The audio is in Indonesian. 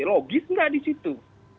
logis nggak di situ